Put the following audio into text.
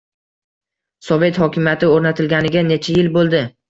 — Sovet hokimiyati o‘rnatilganiga necha yil bo‘ldi?